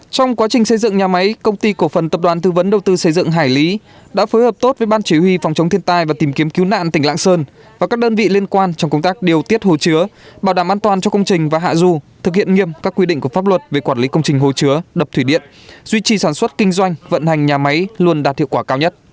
trong quá trình xây dựng nhà máy công ty cổ phần tập đoàn thư vấn đầu tư xây dựng hải lý đã phối hợp tốt với ban chỉ huy phòng chống thiên tai và tìm kiếm cứu nạn tỉnh lạng sơn và các đơn vị liên quan trong công tác điều tiết hồ chứa bảo đảm an toàn cho công trình và hạ du thực hiện nghiêm các quy định của pháp luật về quản lý công trình hồ chứa đập thủy điện duy trì sản xuất kinh doanh vận hành nhà máy luôn đạt hiệu quả cao nhất